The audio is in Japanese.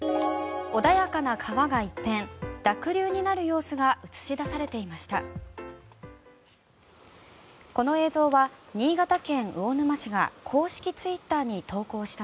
穏やかな川が一転濁流になる様子が映し出されていました。